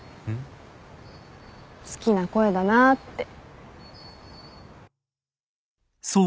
好きな声だなあって。